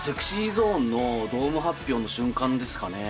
ＳｅｘｙＺｏｎｅのドーム発表の瞬間ですかね。